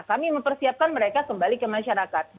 kami mempersiapkan mereka kembali ke masyarakat